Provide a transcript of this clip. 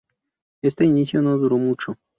Este inicio no duró mucho.